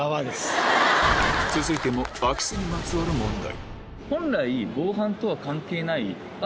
続いても空き巣にまつわる問題